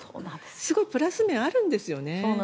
すごいプラス面あるんですよね。